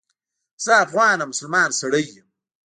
زه افغان او مسلمان سړی یم.